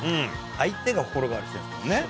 相手が心変わりしてるんですもんね。